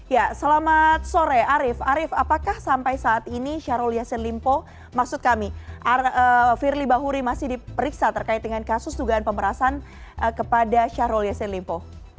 ya selamat sore arief arief apakah sampai saat ini syahrul yassin limpo maksud kami firly bahuri masih diperiksa terkait dengan kasus dugaan pemerasan kepada syahrul yassin limpo